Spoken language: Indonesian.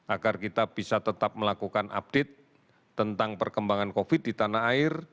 agar kita bisa tetap melakukan update tentang perkembangan covid di tanah air